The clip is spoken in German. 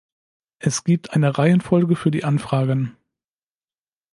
Es gibt eine Reihenfolge für die Anfragen.